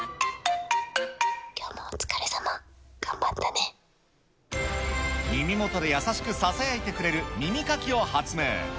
きょうもお疲れさま、頑張っ耳元で優しくささやいてくれる耳かきを発明。